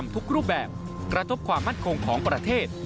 ทุกรูปแบบกระทบความมั่นคงของประเทศ